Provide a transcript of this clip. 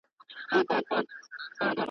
له خپله سیوري خلک ویریږي!